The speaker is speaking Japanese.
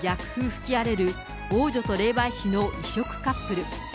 吹き荒れる王女と霊媒師の異色カップル。